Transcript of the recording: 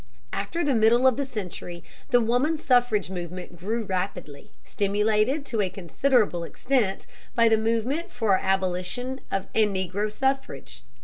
After the middle of the century the woman suffrage movement grew rapidly, stimulated, to a considerable extent, by the movement for abolition and Negro suffrage.